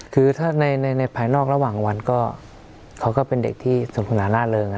คือถ้าในภายนอกระหว่างวันก็เขาก็เป็นเด็กที่สนทนาล่าเริง